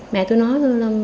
mẹ tôi nói